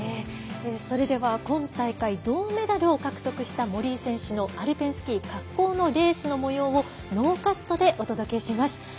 それでは今大会銅メダルを獲得した森井選手のアルペンスキー滑降のレースのもようをノーカットでお届けします。